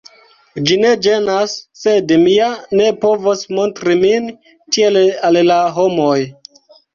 Ĝi ne ĝenas; sed mi ja ne povos montri min tiel al la homoj.